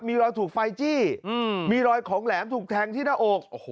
มีรอยถูกไฟจี้มีรอยของแหลมถูกแทงที่หน้าอก